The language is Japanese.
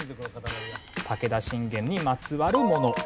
武田信玄にまつわるもの。